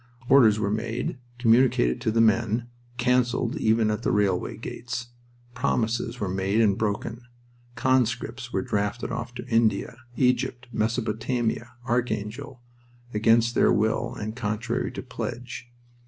Orders were made, communicated to the men, canceled even at the railway gates. Promises were made and broken. Conscripts were drafted off to India, Egypt, Mesopotamia, Archangel, against their will and contrary to pledge.